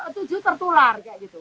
itu tujuh tertular